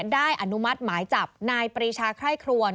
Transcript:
อนุมัติหมายจับนายปรีชาไคร่ครวน